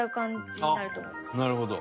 なるほど。